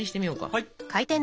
はい。